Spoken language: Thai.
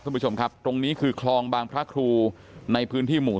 คุณผู้ชมครับตรงนี้คือคลองบางพระครูในพื้นที่หมู่